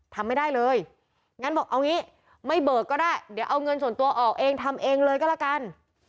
ทำไม่ได้เลยงั้นบอกเอางี้ไม่เบิกก็ได้เดี๋ยวเอาเงินส่วนตัวออกเองทำเองเลยก็แล้วกัน